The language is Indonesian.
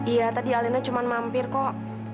iya tadi alinnya cuma mampir kok